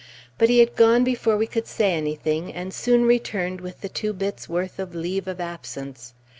But he had gone before we could say anything, and soon returned with the two bits' worth of leave of absence.